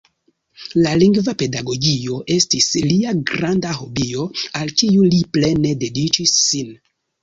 La lingva pedagogio estis lia granda hobio, al kiu li plene dediĉis sin.